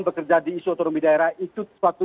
bekerja di isu otoromi daerah itu sesuatu